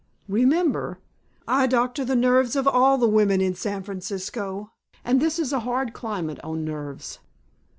Remember, I doctor the nerves of all the women in San Francisco and this is a hard climate on nerves.